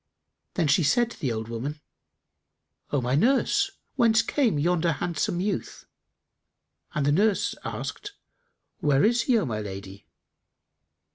Then she said to the old woman, "O my nurse, whence came yonder handsome youth?"; and the nurse asked, "Where is he, O my lady?"